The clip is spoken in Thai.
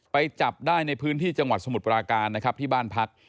ไปจับได้ในพื้นที่จังหวัดสมุทรปราการนะครับที่บ้านพัก